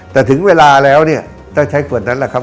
แต่ถึงเวลาแล้วต้องใช้ขวดนั้นแหละครับ